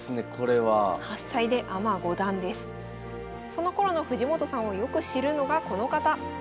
そのころの藤本さんをよく知るのがこの方。